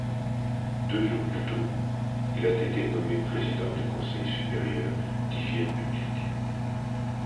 Deux jours plus tôt, il avait été nommé président du Conseil supérieur d'Hygiène publique.